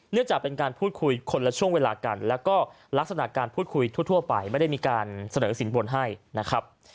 จากการพูดคุยคนละช่วงเวลากันแล้วก็ลักษณะการพูดคุยทั่วไปไม่ได้มีการเสนอสินบนให้นะครับ